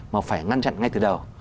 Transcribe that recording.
mà phải ngăn chặn ngay từ đầu